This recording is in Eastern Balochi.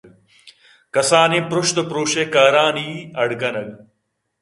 کسانیں پرشت ءُپرٛوش ءِ کارانی اڈ کنگ